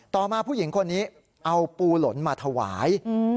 ต่อมาผู้หญิงคนนี้เอาปูหล่นมาถวาย